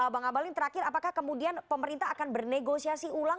bang abalin terakhir apakah kemudian pemerintah akan bernegosiasi ulang